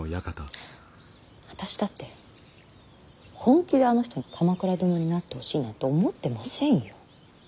私だって本気であの人に鎌倉殿になってほしいなんて思ってませんよ。